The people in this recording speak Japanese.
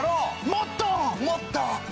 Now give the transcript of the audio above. もっと！